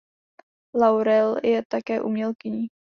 Laurel je také umělkyní.